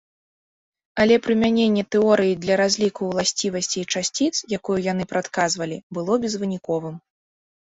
Але прымяненне тэорыі для разліку ўласцівасцей часціц, якую яны прадказвалі, было безвыніковым.